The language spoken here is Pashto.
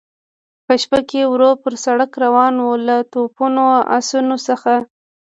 په شپه کې ورو پر سړک روان و، له توپونو، اسونو څخه.